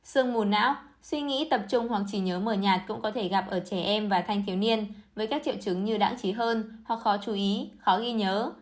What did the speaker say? sương mù não suy nghĩ tập trung hoặc chỉ nhớ mờ nhạt cũng có thể gặp ở trẻ em và thanh thiếu niên với các triệu chứng như đã trí hơn hoặc khó chú ý khó ghi nhớ